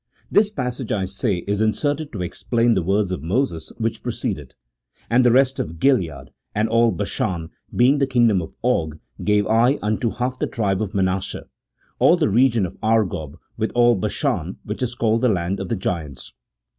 This passage, I say, is inserted to explain the words of Moses which pre cede it. " And the rest of Gilead, and all Bashan, being the kingdom of Og, gave I unto the half tribe of Manasseh ; all the region of Argob, with all Bashan, which is called the land of the giants."